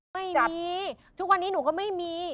ไม่มีทุกวันนี้หนูก็ไม่มี